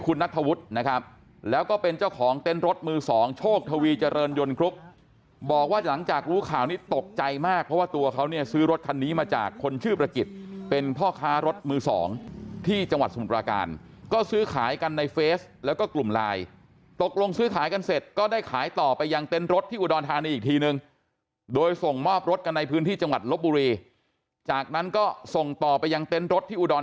คุณนักธวุฒินะครับแล้วก็เป็นเจ้าของเต้นรถมือ๒โชคทวีเจริญยนต์คลุกบอกว่าหลังจากรู้ข่าวนี้ตกใจมากเพราะว่าตัวเขาเนี่ยซื้อรถคันนี้มาจากคนชื่อประกิจเป็นพ่อค้ารถมือ๒ที่จังหวัดสมุตราการก็ซื้อขายกันในเฟซแล้วก็กลุ่มลายตกลงซื้อขายกันเสร็จก็ได้ขายต่อไปยังเต้นรถที่อุดร